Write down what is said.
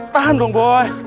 tahan dong boy